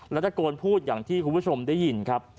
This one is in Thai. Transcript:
แล้วตะโกนพูดอย่างที่คุณผู้ชมได้ยินครับ